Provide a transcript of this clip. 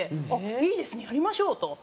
いいですねやりましょうと。